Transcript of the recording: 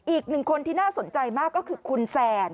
อีกหนึ่งคนที่น่าสนใจมากก็คือคุณแซน